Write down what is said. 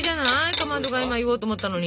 かまどが今言おうと思ったのに。